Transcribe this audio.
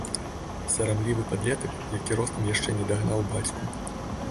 Сарамлівы падлетак, які ростам яшчэ не дагнаў бацьку.